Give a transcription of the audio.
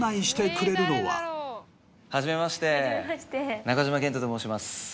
はじめまして中島健人と申します。